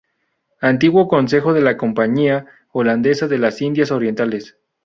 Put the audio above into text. Antiguo consejero de la Compañía holandesa de las Indias Orientales.